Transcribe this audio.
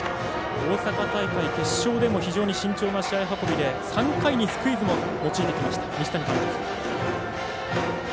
大阪大会決勝でも非常に慎重な試合運びで３回にスクイズも用いてきました西谷監督。